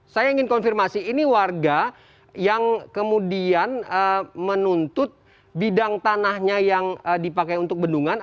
saya ingin konfirmasi ini warga yang kemudian menuntut bidang tanahnya yang dipakai untuk bendungan